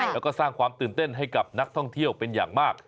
แล้วก็สร้างความตื่นเต้นให้กับนักท่องเที่ยวเป็นอย่างมาก